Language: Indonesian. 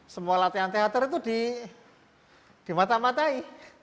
semua latihan teater itu dimata matai